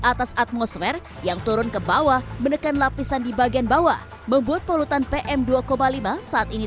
atas atmosfer yang turun ke bawah menekan lapisan di bagian bawah membuat polutan pm dua lima saat ini